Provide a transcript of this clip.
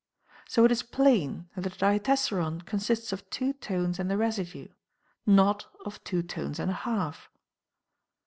So it is plain that the diatessaron consists of two tones and the residue, not of two tones and a half.